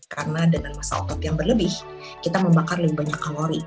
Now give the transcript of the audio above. karena dengan masa otot yang berlebih kita membakar lebih banyak kalori